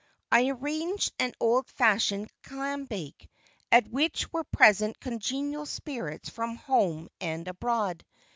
I arranged an old fashioned clam bake, at which were present congenial spirits from home and abroad.